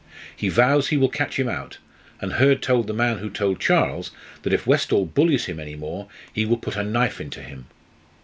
He vows he will catch him out, and Hurd told the man who told Charles that if Westall bullies him any more he will put a knife into him.